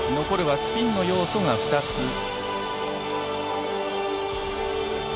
残るはスピンの要素が２つ。